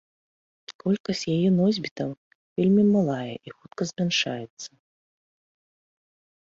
Колькасць яе носьбітаў вельмі малая і хутка змяншаецца.